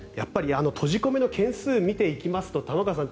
閉じ込めの件数を見ていきますと玉川さん